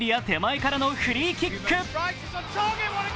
手前からのフリーキック。